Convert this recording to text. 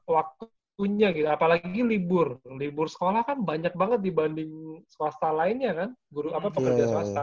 waktunya gitu apalagi libur libur sekolah kan banyak banget dibanding swasta lainnya kan guru apa pekerja swasta